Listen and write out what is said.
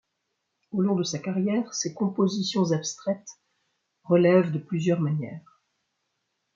Au long de sa carrière, ses compositions abstraites relèvent de plusieurs manières.